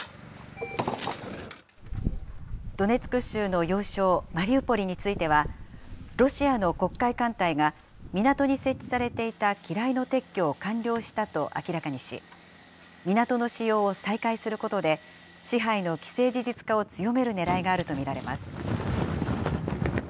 ドネツク州の要衝マリウポリについては、ロシアの黒海艦隊が港に設置されていた機雷の撤去を完了したと明らかにし、港の使用を再開することで、支配の既成事実化を強めるねらいがあると見られます。